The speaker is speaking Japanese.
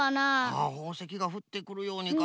あっほうせきがふってくるようにか。